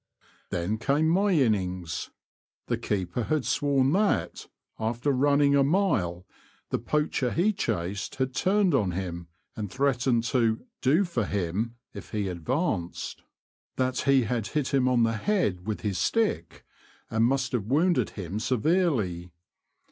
Then came my innings. The keeper had sworn that, after running a mile, the poacher he chased had turned on him, and threatened to *' do for him," if he advanced ; 156 The Confessions of a Poacher. that he had hit him on the head with his stick, and must have wounded him severely.